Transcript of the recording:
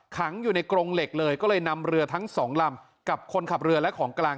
ขังอยู่ในกรงเหล็กเลยก็เลยนำเรือทั้งสองลำกับคนขับเรือและของกลาง